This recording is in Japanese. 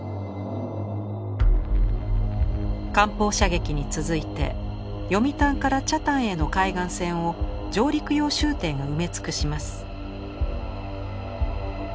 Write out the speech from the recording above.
艦砲射撃に続いて読谷から北谷への海岸線を上陸用舟艇が埋め尽くします。